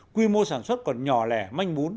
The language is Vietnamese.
quy mô sản xuất còn nhỏ lẻ manh bún